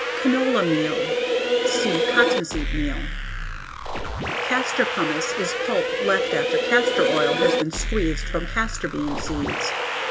Canola meal. See: Cottonseed meal. Castor pomace is pulp left after castor oil has been squeezed from castor bean seeds.